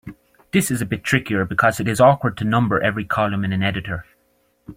This is a bit trickier because it is awkward to number every column in an editor.